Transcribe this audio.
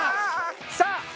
さあ！